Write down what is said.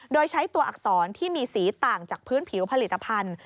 โดยใช้ตัวอักษรที่มีสีต่างจากพื้นผิวผลิตภัณฑ์